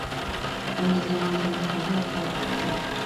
团体项目将采用淘汰赛制。